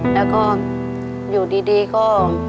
แล้วก็อยู่ดีก็